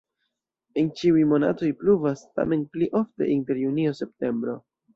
En ĉiuj monatoj pluvas, tamen pli ofte inter junio-septembro.